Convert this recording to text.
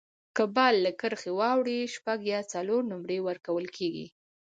که بال له کرښي واوړي، شپږ یا څلور نومرې ورکول کیږي.